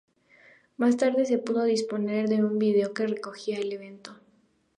Más tarde se pudo disponer de un vídeo que recogía el evento.